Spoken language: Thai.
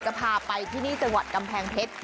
จะพาไปที่นี่จังหวัดกำแพงเพชร